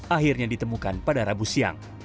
akhirnya ditemukan pada rabu siang